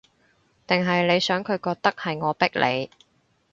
定係你想佢覺得，係我逼你